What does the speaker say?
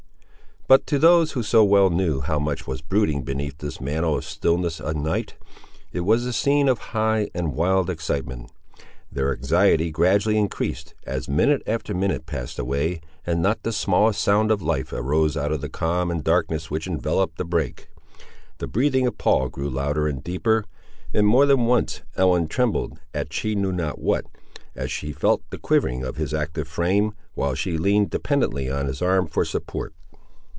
But to those who so well knew how much was brooding beneath this mantle of stillness and night, it was a scene of high and wild excitement. Their anxiety gradually increased, as minute after minute passed away, and not the smallest sound of life arose out of the calm and darkness which enveloped the brake. The breathing of Paul grew louder and deeper, and more than once Ellen trembled at she knew not what, as she felt the quivering of his active frame, while she leaned dependently on his arm for support.